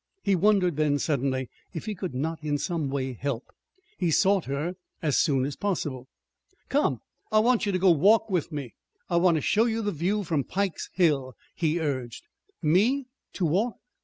He wondered then, suddenly, if he could not in some way help. He sought her as soon as possible. "Come, I want you to go to walk with me. I want to show you the view from Pike's Hill," he urged. "Me? To walk?